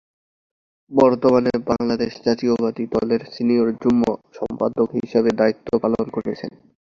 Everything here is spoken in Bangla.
বর্তমানে বাংলাদেশ জাতীয়তাবাদী দলের সিনিয়র যুগ্ম সম্পাদক হিসেবে দায়িত্ব পালন করছেন।